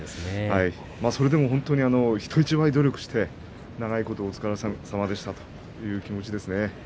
それでも本当に人一倍努力して長いことお疲れさまでしたという気持ちですね。